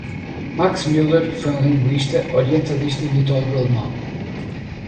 Max Müller foi um linguista, orientalista e mitólogo alemão.